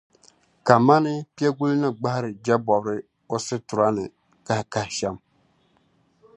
kaman piɛgula ni gbahiri jɛbɔbiri o situra ni kahikahi shɛm.